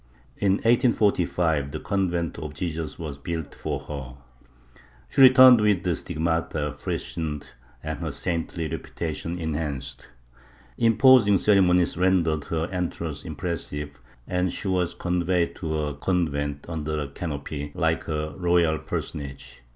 In 1845 the convent of Jesus was built for her; she returned with the stigmata freshened and her saintly reputation enhanced. Impos ing ceremonies rendered her entrance impressive, and she was conveyed to her convent under a canopy, like a royal personage.